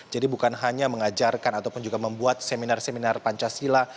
jadi bukan hanya mengajarkan ataupun juga membuat seminar seminar pancasila